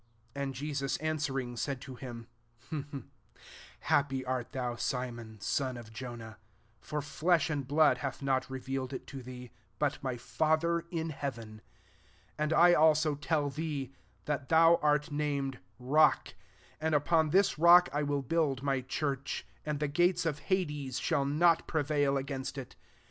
17 And Jesus answering, said to him, <* Happy art thout Simon, son of Jonah : for flesh and blood hath not revealed it to thee, but my Father in hea ven. 18 And I also tell thee, that thou art named Rock •; and upon this rock I will brrild my church ; and the gates of hades shall not prevail against it.